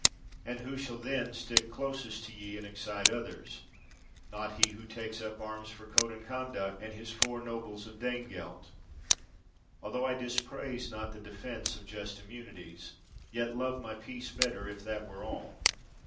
And who shall then stick closest to ye, and excite others ? Not he who takes up arms for coat and conduct, and his four nobles of Dane gelt. Altho I dispraise not the defense of just immunities, yet love my peace better, if that were all.